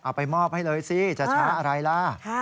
เอาไปมอบให้เลยสิจะช้าอะไรล่ะ